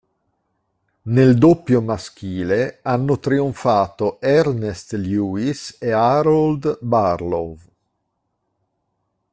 Nel doppio maschile hanno trionfato Ernest Lewis e Harold Barlow.